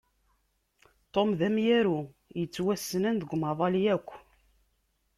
Tom d amyaru yettwassnen deg umaḍal akk.